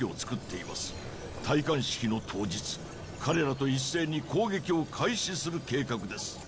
戴冠式の当日彼らと一斉に攻撃を開始する計画です。